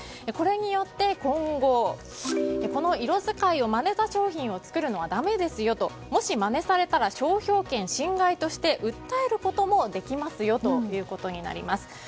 これによって、今後この色使いをまねた商品を作るのはだめですよともし、まねされたら商標権侵害として訴えることもできますよということになります。